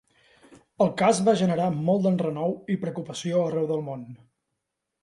El cas va generar molt d’enrenou i preocupació arreu del món.